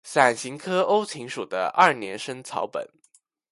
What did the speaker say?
伞形科欧芹属的二年生草本。